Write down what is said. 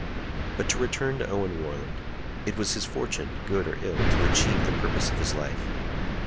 But to return to Owen Warland. It was his fortune, good or ill, to achieve the purpose of his life.